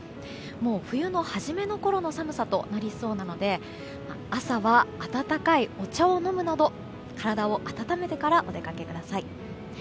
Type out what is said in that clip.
もう、冬の初めのころの寒さとなりそうなので朝は温かいお茶を飲むなど体を温めてからお出かけください。